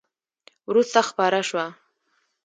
وروسته خپره شوه !